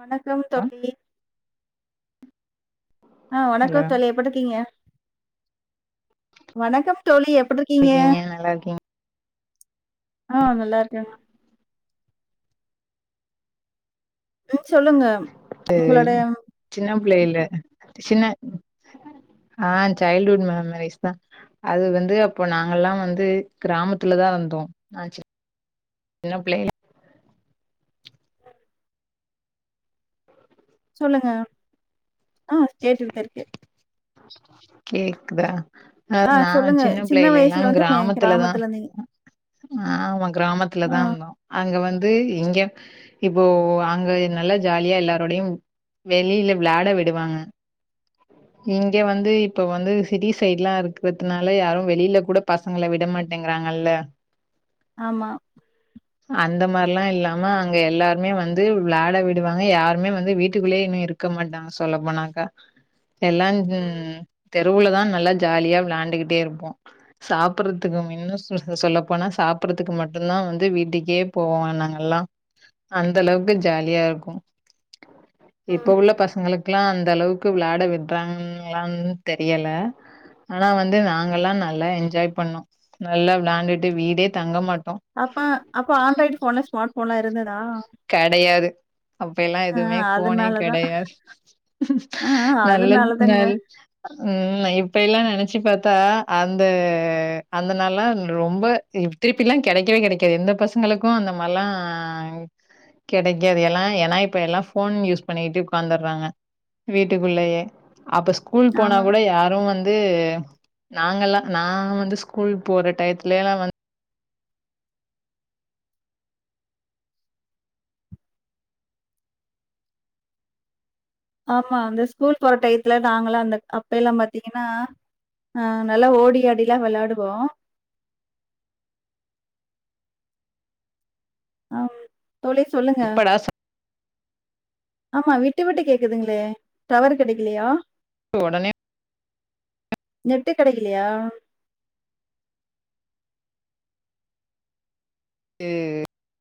வணக்கம் ஹலோ தோழி ஆஹ் ஹலோ வணக்கம் தோழி எப்டு இருக்கீங்க வணக்கம் தோழி எப் றிக்கீங்க நல்லா இருக்கீங் ஆஹ் நல்லா இருக்கே சொல்லுங்க உங்களோட சின்ன பிள்ளைல சின்ன ஆஹ் சைல்டுவுட் மெமரிஸ் தா அது வந்து அப்போ நாங்கலா வந்து கிராமத்துலதா இருந்தோ நா சின்ன பிள்ளைல சொல்லுங்க ஆஹ் கேட்டுக்கிட்டுதா இருக்க கேக்குதா அ ஆ நா சொல்லுங்க சின்ன பிள்ளைலேலா வயசுல வந்து மே கிராமத்துலதா கிராமத்துல இருந்தீங்க ஆமா ஆ கிராமத்துலதா இருந்தோ அங்க வந்து இங்க இப்போ அங்க நல்லா ஜாலியா எல்லாரோடையு வெளியில விளாட விடுவாங்க இங்க வந்து இப்ப வந்து சிட்டி சைட்லா இருக்கிறதுனால யாரு வெளியில கூட பசங்கள விடமாட்டேங்கிறாங்கல்ல ஆமா அந்த மாரில்லா இல்லாம அங்க எல்லாருமே வந்து விளாட விடுவாங்க யாருமே வந்து வீட்டுக்குள்ளயே இன்னு இருக்க மாட்டாங்க சொல்ல போனாக்கா எல்லா தெருவுலதா நல்லா ஜாலியா விளையாண்டுக்கிட்டே இருப்போ சாப்றதுக்குமின்னு இன்னு சொல்லப்போனா சாப்றதுக்கு மட்டுதா வந்து வீட்டுக்கே போவோ நாங்க எல்லா அந்த அளவுக்கு ஜாலியா இருக்கு இப்ப உள்ள பசங்களுக்கு லா அந்த அளவுக்கு விளாடவி ட்றாங்களான்னு தெரியல ஆனா வந்து நாங்கெல்லா நல்லா என்ஜாய் பண்ணோ நல்லா வெளாண்டுட்டு வீடே தங்க மாட் அப்ப அப்போ ஆண்ட்ராய்ட் ஃபோனு ஸ்மார்ட் ஃபோன்லா இருந்த கெடையாது அப்ப எல்லா ஆ எதுமே போஃனே அதனாலதான் கெடையாது ஆ நல்ல அதனாலதாங்க உம் இப் இப்பெல்லா நெனச்சு பாத்தா அந்த அந்த நாளா ரொம்ப திருப்பி எலலா கெடைக்கவே கெடைக்காது எந்த பசங்களுக்கு அந்த மாரில்லா கெடைக்காது எல்லா ஏன்னா இப்ப எல்லா ஃபோன் யூஸ் பண்ணிட்டு உக்காந்துறாங்க வீட்டுக்குள்ளயே அப்ப ஸ்கூல் போனா ஆமா கூட யாரு வந்து ந்து நாங்கலா நா வந்து ஸ்கூல் போற டயத்துலலா வந்து ஆமா அந்த ஸ்கூல் போற டயத்துல நாங்கல்லா அந்த அப்ப எல்லா பாத்தீங்கனா அஹ் நல்லா ஓடியாடிலா விளையாடுவோ அம் தோழி சொல்லுங்க எப்படா ஆமா விட்டு விட்டு கேக்குதுங்களே டவர் கெடைக்கலையா உடனே நெட்டு கெடைக்கலையா [unintelligible]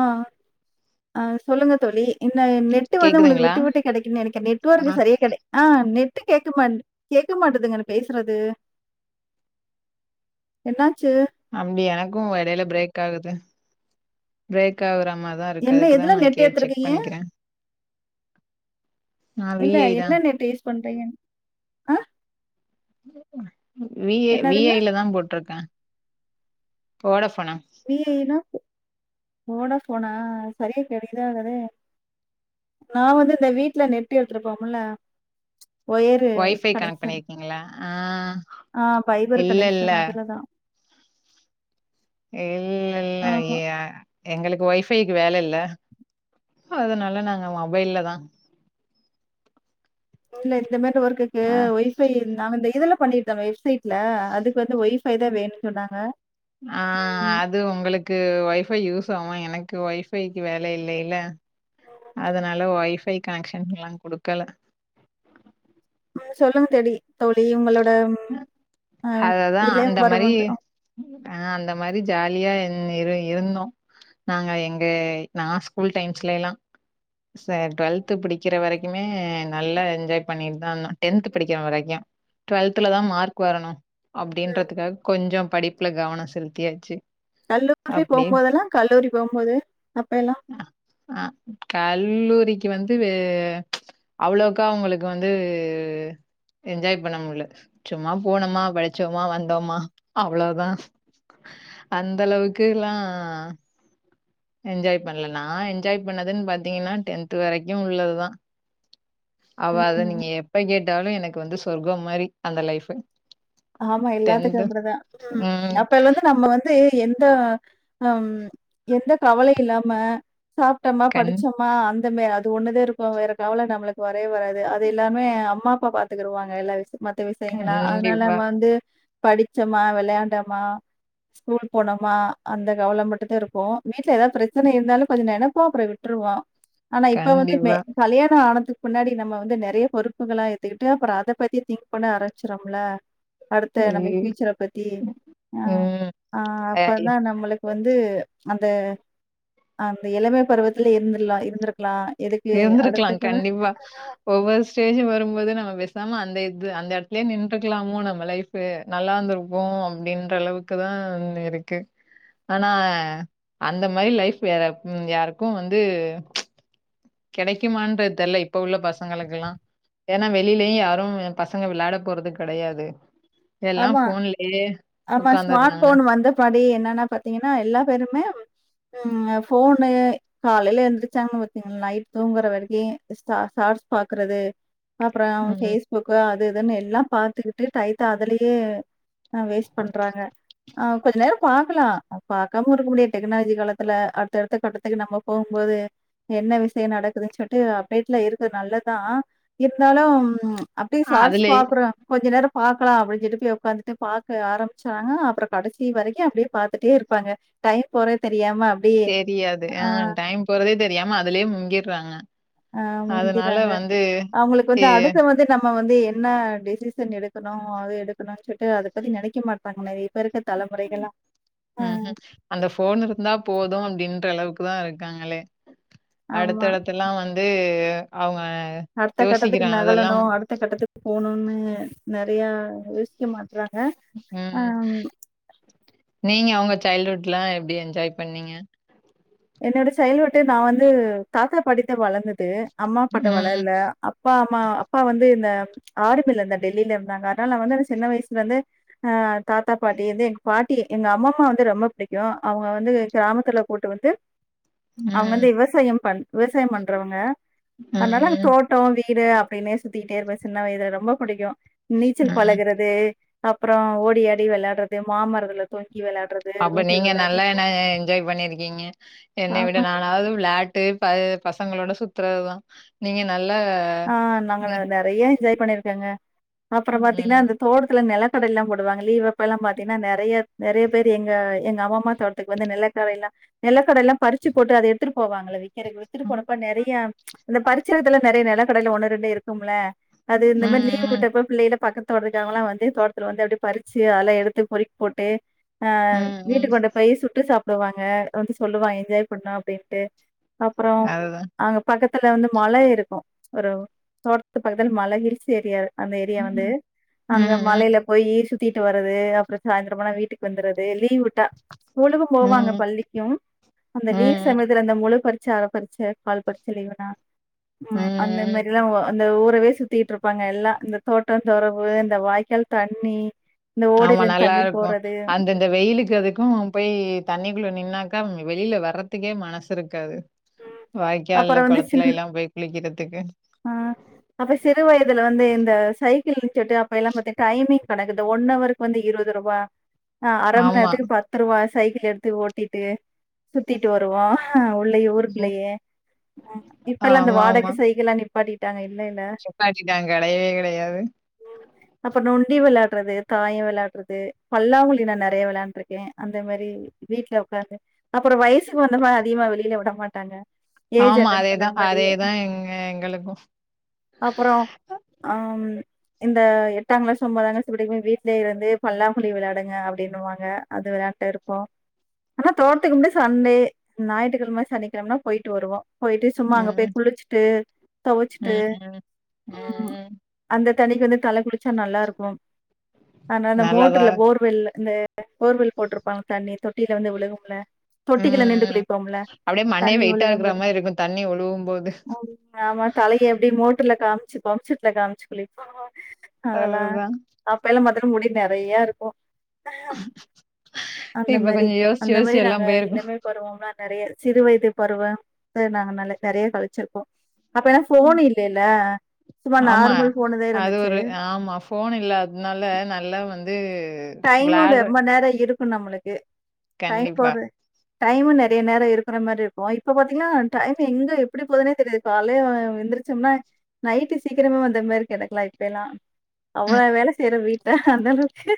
ஆஹ் ஆஹ் சொல்லுங்க தோழி இ நெட்டு வந்து உங்களுக்கு கேக்குதுங்களா விட்டு விட்டு கிடைக்கு நெனைக்குறே ஆ நெட்வொர்க் சரியா கெடைக் ஆ நெட் [unintelligible] கேக்கமாட் கேட்க மாட்டதுங்க பேசுறது என்னாச்சு அப்டி எனக்கு எடையில பிரேக் ஆகுது பிரேக் ஆகுற மாரிதா இருக்கு என்ன அதுக்குதா எதுல நா நெட் கே செக் எடுத்துருக்கீங்க பண்ணிக்கிறே நா வி இல்ல ஐ தா என்ன நெட் யூஸ் பண்றீங்கனு அ வி ஐ வி ஐ ல தா போட்ருக்கே போனப் நீனா வோட ஃபோனா சரியா [unintelligible] ஆகுது நான் வந்து இந்த வீட்டுல நெட்டு எடுத்துருப்போம்ல ஒயரு ஒய்ஃபை கனெக்ட் கனெக்ஷன் பண்ணிருக்கீங்களா ஆ ஆஹ் பைபர் இல்ல இல்ல கனெக்ஷன் அதுலதான் இல் இல்ல இல்ல ஆமா. எங் எங்களுக்கு ஒய்பைக்கு வேல இல்ல அதனால நாங்க மொபைல்ல தான் இல்ல இந்த மார் ஒர்க்குக்கு ஆ ஒய்ஃபை இந்த இதுல பண்ணிருந்தாங்க வெப்சைட்ல அதுக்கு வந்து ஒய்ஃபை தான் வேணும்னு சொன்னாங்க. ஆஹ் ம் அது உங்களுக்கு ஒய்பை யூஸ் ச எனக்கு ஒயஃபைக்கு வேல இல்லலைல அதனால ஒயஃபை கனெக்ஷன் எல்லாம் கொடுக்கலை சொல்லுங்க தேடி தோழி உங்களோட அ அததான் இளம் அந்த மாதிரி பருவங்க அ அந்த மாதிரி ஜாலியா இரு இருந்தோம் நாங்க எங்க நான் ஸ்கூல் டைம்ஸ்ல எல்லாம் சரி டுவெல்து பிடிக்கிற வரைக்குமே நல்லா என்ஜாய் பண்ணிட்டு தான் இருந்தோம் டென்த் படிக்கிற வரைக்கும் டுவெல்தலதான் மார்க் வரணும் அப்படின்றதுக்காக கொஞ்சம் படிப்புல கவனம் செலுத்தியாச்சு கல்லூர்ல அப்டியே போகும்போதெல்லாம் கல்லூரி போகும்போது அப்ப எல்லாம் அ கல்லூரிக்கு வந்து அவ்ளவுக்கா அவங்களுக்கு வந்து என்ஜாய் பண்ண முடியல சும்மா போனோமா படிச்சோமா வந்தோமா அவளோதான் அந்தளவுக்கு எல்லாம் என்ஜாய் பண்ணல ந என்ஜாய் பண்ணது அதுன் பாத்தீங்கன்னா டென்த் வரைக்கு உள்ளதுதா அவ அத ம் நீங்க எப்ப கேட் ந்தாலு எனக்கு வந்து சொர்க்கோ மாரி அந்த லைஃப்பு ஆமா எல்லாத்துக்கு அப்படிதா ம் அப்பலந்து நம்ம வந்து எந்த ஆம் எந்த கவலை இல்லாம சாப்ட்டம்மா கண் படிச்சமா அந்த மே இது ஒண்ணுதே இருக்கு வேற காவல நம்மளுக்கு வரவே வராது அது எல்லாமே அம்மா அப்பா பாத்துக்குருவாங்க எல்லா விஷ்யத் மத்த விசயங்களா அதனால கண்டிப்பா, வ வந்து படிச்சமா விளையாண்டமா ஸ்கூல் போனோமா அந்த கவல மட்டுதா இருக்கு வீட்டுல ஏதாவது பிரச்சன இருந்தாலு கொஞ்சோ நெனைப்போ அப்புறோ விட்டுருவோ ஆனா இப்ப வந்து மே கண்டிப்பா. கல்யாண ஆணத்துக் முன்னாடி நம்ம வந்து நெறைய பொறுப்புகளா ஏத்துக்கிட்டு அப்புறோ அத பத்தி திங்க் பண்ண ஆரம்பச்சிரோம்ல அடுத்த நம்ம ஐயோ! ஃபியூச்சர பத்தி ஆ ம். ஆ அ அப்பதா நம்மளுக்கு வந்து அந்த அந்த இளம பருவத்துல இருந்துரலா இருந்திருக்கலா இருந்திருக்கலா கண்டிப்பா ஒவ்வொரு ஸ்டேஜு வரும்போது நம்ம சாம அந்த இது அந்த இடத்லயே நின்றுக்கலாமோ நம்ப லைஃப்பு நல்லாந்துருக்கு அப்படின்ற அளவுக்குதா இருக்கு ஆனா அந்த மாரி லைஃப் வேற யாருக்கு வந்து கிடைக்குமான்டு தெரில இப்ப உள்ள பசங்களுக்கெல்லா ஏன்னா வெளிலயு யாரும் ஏ பசங்க விளாயட போறது கெடையாது ஆமா ஆமா ஸ்மார்ட் உட்காந்துடுறாங்க. ஃபோன் வந்த பாடே என்னன்னா பாத்தீங்கன்னா எல்லா பேருமே ம் போனு காலையில எந்திரச்சாங்கன் பாத்தீங்களா நைட் தூங்குற வரைக்கு சாட்ஸ் சாட்ஸ் பாக்குறது அப்புற ம். ஃபேஸ்புக்கு அது இதுன்னு எல்லா பாத்துக்கிட்டு டைத்த அதலேயே கு ஆ வேஸ்ட் பண்றாங்க ஆ கொஞ்ச நேரோ பாகக்கலா பாக்காம இருக்க முடிய டெக்னாலஜி காலத்துல அடுத்த அடுத்த கட்டத்துக்கு நம்ம போகும்போது என்ன விஷியோ நடக்குதுன் சொல்ட்டு அப்டேட்ல இருக்கு நல்லது தா இருந்தாலு அப்படியே சார்ஸ் அதுலயே பாக்குறே கொஞ்ச நேரோ பாக்கலா அப்படி திருப்பி ஒக்காந்துட்டு பாக்க ஆரம்பிச்சாங்க அப்புறோ கடைசி வரைக்கு அப்படியே பாத்துட்டே இருப்பாங்க டைம் போறத் தெரி தெரியாது ஆ டைம் போறதே தெரியாம அதுலயே முங்கிறாங்க ஆ முங்கிறாங்க அவுங்களுக்கு வந்து எ அடுத்த வந்து நம்ம வ வந்து என்ன டிெசிசன் எடுக்கணு அது எடுக்கணுனு சொல்ட்டு அத பத்தி நெனைக்க மாட்டாங்க மேரி ம் ம் அந்த ஃபோன் இருந்தா போதும் அப்படின்ற அளவுக்கு தா இருக்காங்களே ஆமா. அடுத்தடத்துல்லா வந்து அவ அடுத்த கட்டத்துக்கு நகழணு அடுத்த கட்டத்துக்கு போணுன்னு ம் நெறைய யோசிக்க மாட்டே சொல்றாங்க ம். ஆ நீங்க அவுங்க சைல்ட்ஹூட் எல்லா எப்படி என்ஜாய் பண்ணீங்க என்னோட சைல்ட்ஹூட் நா வந்து தாத்தா பாட்டிட்ட வளந்துட்டு அம்மா அப்பாட்ட ம். வளர்ல அப்பா ம்மா அப்பா வந்து இந்த ஆருமில இந்த டெல்லில இருந்தாங்க அதனால நா வந்து அந்த சின்ன வயசுல இருந்தே அஹ் தாத்தா பாட்டி வந்து எங்க பாட்டி எங்க அம்மாம்மா வந்து ரொம்ப பிடிக்கு அவுங்க வந்து கிராமத்துல போட்டு வந்து ம். அவுங்க ம். வந்து விவசாயம் பண் விவசாயம் பண்றவங்க அதனால அங்க ம். தோட்டோ வீ வீடு அப்படின்னெ சுத்திட்டே இருப்ப சின்ன வயதுல ரொம்ப புடிக்கு நீச்சல் ம். பழகுறது அப்புறம் ஓடியாடி விளையாடுறது மாமரத்துல தொங் அப்ப நீங்க நல்லா என்ன என்ஜாய் பண்ணிருக்கீங்க என்னை விட ஆமா. நானாவது வெளாட் டு பசங்களோட சுத்துறதுதா நீங்க ந ஆஹ் நாங்க நெறயா என்ஜாய் பண்ணியிருக்கங்க ம், அப்புறம் பாத்தீங்கன்னா ம், அந்த தோட்டத்துல நெல கடல எல்லாம் போடுவாங்க லீவ் அப்பெல்லா பாத்தீனா நெறயா நெறயா பேர் எங்க எங்க அம்மம்மா தோட்டத்துக்கு வந்து நெலகட எல்லா நெலக்கட எல்லாம் பறிச்சு போட்டு அத எடுத்துட்டு போவாங்கல்ல வீ எனக்கு வித்துட்டு ம், போறப்ப நெறயா ப்ச் அந்த பறிச்ச எடத்துல நெறய நில கடல ஒண்ணு ரெண்டு இருக்கும்ல்ல அது இந்தமாரி லீவு ம், விட்டப்ப பிள்ளைகல பக்கத்து தோட்டத்துக்காரங்கல்லா வந்து தோட்டத்துல வந்து அப்படியே பறிச்சு அதல்லா எடுத்து பொறுக்கி போட்டு ஆஹ் ம், ம். வீட்டுக்கு வந்த பையை சுட்டு சாப் போடுவாங்க வந்து சொல்லுவாங்க என்ஜாய் பண்ணோ அப்படின்ட்டு அப்புறம் அதுதான். அங்க பக்கத் துல வந்து மழை இருக்கு ஒரு தோட்டத்து பக்கத்தில்ல மல ஹில்ஸ் ஏரியா அந்த ஏரியா வந்து ம், அங்க ம், மலையில போய் ஈர் சுத்தி விட்டு வர்ரது அப்புறோ சாயந்திரமான வீட்டுக்கு வந்திறது லீவ் விட் டா ஸ்கூலுக்கும் ம், போவாங்க ம், பள்ளிக்கும் அந்த லீவ் சமயத்துல அந்த முழு பறி ச்ச பறிச்ச கால் பறிச்ச லீவ்னா உம் அந்த ம். மாரிலா ஒ அந்த ஊரவே சுத் திட்டு இருப்பாங்க எல்லாம் இந்த தோட்டம் தொறவு இந்த வாய்க்கால் தண்ணி இந்த ஆமா ஓடையிலருந்து நல்லா தண்ணி இருக்கு போறது அந்த இந்த வெயிலுக்கு அதுக்கும் போய் தண்ணிக்குள்ள நின்னா க்க வெளியில வர்றதுக்கே மனசு இருக்காது ம் வாய்க்கால்ல குளத்துல எல்லாம் போய் குளிக்கிறதுக்கு ஆஹ் அப்ப சிறு வயதுல வந்து இந்த சைக்கிள்ச்சுட்டு அப்ப எல்லாம் பாத்தீங்க டைமிங் கணக்குது ஒன் ஹவர்க்கு வந்து இருபது ரூபா ஆஹ் அரை மணி ஆமா. நேரத்துக்கு பத்து ரூவா சைக்கிள் எடுத்து ஓட்டிட்டு சுத்திட்டு வருவோம் உள்ளயே ஊருக்குள்ளயே இப்ப எல்லாம் அந்த ஆமாமா. வாடகை சைக்கிளா படி இல்ல இல்ல நிப்பாட்டிட்டாங்க. கிடையவே கிடையாது. அப்புறம் நொண்டி விளையா டுறது தாயம் விளையாடுறது பல்லாங்குழி நான் நிறைய விளாண்டு இருக்கேன் அந்த மாதிரி வீட்டுல உட்காந்து அப்புறம் வயசுக்கு வந்த மா அதிகமா வெளியில விடமாட்டாங்க ஆமா அதேதான் அதேதான் எங்க எங்களுக்கும். அப்புறம் ஹம் இந்த எட்டாங்கிளாஸ் ஒன்பதாங்கிளாஸ் படிக்கிம்ப வீட்லய இருந்து பல்லாங்குழி விளையாடுங்க அப்படின்னுவாங்க அது விளையாண்டு இருப்போம் ஆனா தோட்டத்துக்கு மட்டும் சண்டே ஞாயிற்றுக்கிழம சனிக்கிழமனா போயிட்டு வருவோம் போயிட்டு சும்மா அங்க ம், போய் குளிச்சுட்டு துவைச்சுட்டு ம், ம், ம். அந்த தண்ணில தலை குளிச்சா நல்லா இருக்கும்அதனாலே மோட்டர்ல நல்லாதான் போர் வெல் இந்த போர்வல் போட்டிருப்பாங்க தண்ணி தொட்டியில வந்து விழுகும்ல ம், தொட்டிக்குள்ளே நிண்டு ம். குளிப்போம்ல அப்படியே மண்டையே தண்ணி வெயிட்டா விழுகும் இருக்கிற போது மாரி இருக்கும், தண்ணி ஒழுகும்போது. தலையை எப்படி மோட்டர்ல காமிச்சு பம்செட்ல காமிச்சு குளிப்போ அதெல்லாம் அதுதான். அப்ப எல்லாம் மத்தல்ல முடி நிறைய இருக்கு அந்த இப்ப மாதிரி கொஞ்சம் யோசிச்சு, அந்த மாதிரி யோசிச்சு நாங்க எல்லாம் போயிருக்கும். எல்லாமே போடுவோம்மே நிறைய சிறு வயது பருவம் நாங்க நல்ல நிறைய கழிச்சிருக்கோம் சும்மா ஆமா நார்மல் ஃபோனுதா அது இருந்துச்சு ஒரு ஆமா போன் இல்லாதனால நல்லா வந்து அது டைமும் ரொம்ப நேரம் இருக்கு நம்மளுக்கு டைம் கண்டிப்பா. போரு டைமும் நிறைய நேரம் இருக்கிற மாதிரி இருக்கு இப்ப பாத்தீங்கன்னா டைம் எங்க எப்படி போதுனே தெரில காலைய எந்தரிசம்னா நைட்டு சீக்கிரமே வந்த மாதிரி கிடைக்கலாம் இப்பலாம் அவ்வள வேலை செய்யற வீட் அஹ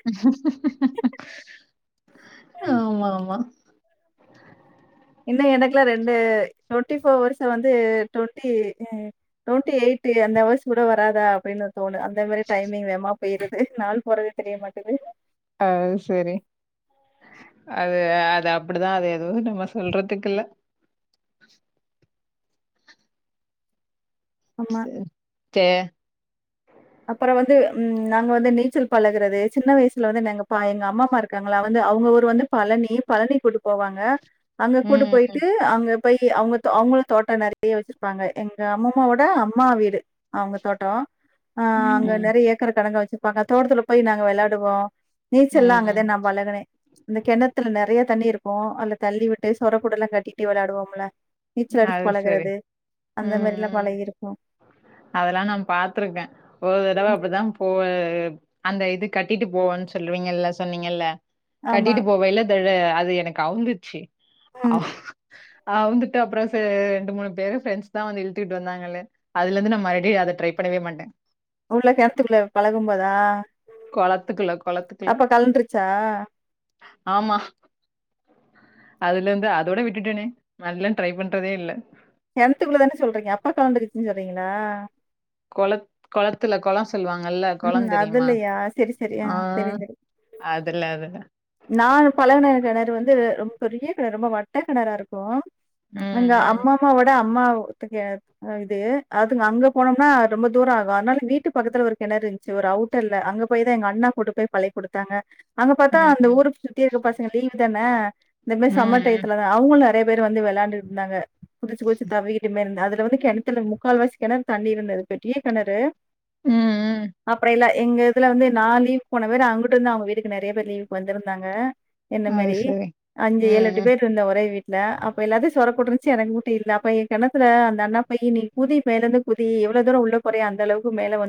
அஹ [unintelligible] ஆமாமா இன்னும் எனக்கெல்லாம் ரெண்டு ட்வெண்ட்டி ஃபோர் அவர்ஸ வந்து ட்வெண்ட்டி ட்வெண்ட்டி எயிட் அவர்ஸ் கூட வராதா அப்படின்னு தோனு அந்தமாதிரி டைமிங் வேமா பெய்யரது நாள் போறதே தெரிய மாட்டேங்குது அஹ் செரி அது அது அப்படிதான் அது எதுவும் நம்ம சொல்றதுக்கில்லே ஆமா. செரி தெ அப்புறம் வந்து உம் நாங்க வந்து நீச்சல் பழகுறது சின்ன வயசுல வந்து எங்க பா எங்க அம்மம்மா இருக்காங்களா வந்து அவங்க ஊர் வந்து பழனி பழனி கூட்டு போவாங்க அங்க கூட்டு ம், போயிட்டு அங்க போய் அவங்க அவங்களும் தோட்டம் நெறைய வெச்சிருப்பாங்க எங்க அம்மம்மாவோட அம்மா வீடு அவங்க தோட்டம் ஆஹ் ம், அங்க ம், நேறைய ஏக்கர் கணக்கா வெச்சுருப்பாங்க அங்கே தோட்டத்துல போய் நாங்க வெளாடுவோம் நீச்சலெல்லாம் ம். அங்கதான் நான் பழகுனேன் அந்த கிணத்துல நெறைய தண்ணி இருக்கும் அந்த தள்ளி விட்டு சொர கூட எல்லாம் கட்டிட்டு வெளயாடுவோம்ல அது செரி உம் மாரிலாம் உம் பழகிருக்கோம். அதெல்லாம் நாம் பாத்துருக் க்கன் ஒரு தடவ அப்படிதான் போ அந்த இது கட்டிட்டு போவோன்னு சொல்லுவீங்கல்ல சொன்னீங்கல்ல ஆமா. கட்டிட்டு போவே இல்ல அது எனக்கு அவுந்துச்சு ம். ஆஹ் ஆவுந்து அப்புறம் ரெண்டு மூணு பேரும் ஃரெண்ட்ஸ் தான் வந்து இழுத்துக்கிட்டு வந்தாங்கள அதுல இருந்து நான் மறுபடியடி அத ட்ரை பண்ணவே மாட்டேன் உள்ள கிணத்துக்குள்ள பழகும்போதா குளத்துக்குல அப்ப கலந்துருச்சா ஆமா அதுலந்து அதோட விட்டட்டனே நல்ல ட்ரை பண்றதே இல்ல கிணத்துக்குள்ள தானே சொல்றீங்க அப்பா கலண்டு குச்சுன்னு சொல்றீங்களா குள குளத்துல குளம் சொ சொல்லுவாங்கல்ல குழ ம். தெரியுமா அதுலயா? சரி, சரி. ஆ ஆஹ் தெரியும், தெரியும். அதுல்ல அது தா நான் பலகுன கேனரு வந்து பெரிய கிண ரொம்ப வட்ட கிணரா இருக்கும் அங்க ம் அம்மாமாவோட அம்மா இது அதுங்க அங்க போனோம்னா ரொம்ப தூரம் ஆகும் அதனால வீட்டு பக்கத்துல ஒரு கிணறு இருந்துச்சு ஒரு அவுட்டல்ல அங்க போயதான் எங்க அண்ணா கூட்டு போய் பழகி கொடுத்தாங்க அங்க பாத்தா ம் இந்த ம் ஊரு சுத்தி இருக்க பாசங்க லீவ் தானே இந்த மாரி ம் சம்மர் ம் டயத்துல தான் அவங்கள நிறைய பேர் வந்து விளையாண்டு இருந்தாங்க குடிச்சு குடிச்சு தவிக்கிட்டுமே இருந்து அதுல வந்து கிணத்துல முக்கால் வாசி கேணர் தண்ணி இருந்தது வெட்டிய கிணறு ம் ம் ம் அப்புறம் இல்ல எங்க இதுல வந்து நான் லீவ போன பேரு அங்ககட்டு வந்து அவங்க வீட்டுக்கு நெறைய பேர் லீவ் வந்திருந்தாங்க என்ன அது மாதிரி சரி. அஞ்சு ம், ஏழுட்டு பேர் இருந்த ஒரே வீட்டுல அப்ப எல்லாத்தையும் சொர குட்டு இருச்சு எனக்கு மட்ட இல்ல அப்ப என் கிணத்துல அந்த அண்ணா ப நீ குதி மேலேந்து குதி எவ்வளவு தூர உள்ள குற அந்த அளவுக்கு மேலே வந்து